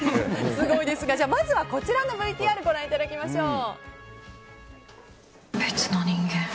すごいですがまずはこちらのＶＴＲをご覧いただきましょう。